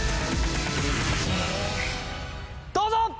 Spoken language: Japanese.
どうぞ！